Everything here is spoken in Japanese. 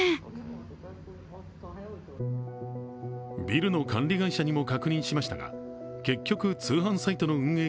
ビルの管理会社にも確認しましたが、結局、通販サイトの運営